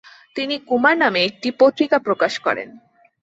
তিনি কুমার নামে একটি পত্রিকা প্রকাশ করেন।